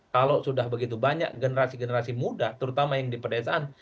kalau sudah begitu banyak generasi generasi muda terutama yang di pedesaan